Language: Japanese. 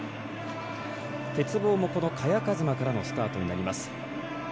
鉄棒もこの萱和磨からのスタートになります。